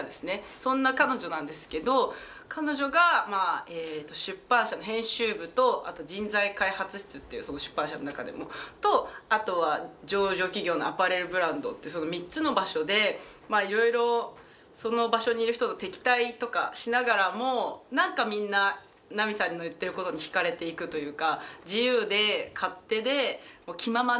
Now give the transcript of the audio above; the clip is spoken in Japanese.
そんな彼女なんですけど彼女が出版社の編集部とあと人材開発室っていうその出版社の中でのとあとは上場企業のアパレルブランドってその３つの場所でいろいろその場所にいる人と敵対とかしながらも何かみんな奈美さんの言っていることに惹かれていくというか。